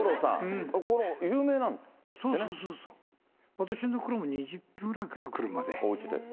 私の所からも２０分ぐらいかな、車で。